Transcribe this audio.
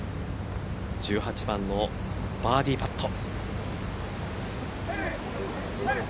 １８番のバーディーパット。